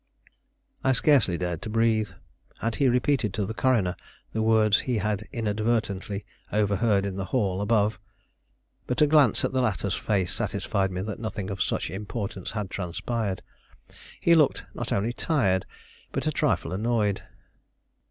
I scarcely dared to breathe. Had he repeated to the coroner the words he had inadvertently overheard in the hall above? But a glance at the latter's face satisfied me that nothing of such importance had transpired. He looked not only tired, but a trifle annoyed.